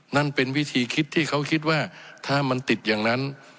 นั่นเป็นวิธีคิดที่เขาคิดว่าถ้ามันติดอย่างนั้น